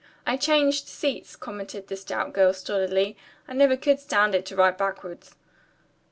"I changed seats," commented the stout girl stolidly. "I never could stand it to ride backwards."